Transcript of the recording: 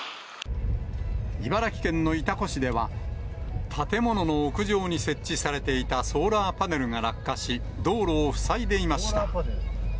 茨城県の潮来市では、建物の屋上に設置されていたソーラーパネルが落下し、道路を塞いでいました。